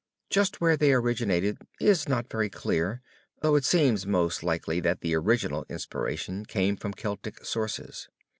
Just where they originated is not very clear, though it seems most likely that the original inspiration came from Celtic sources.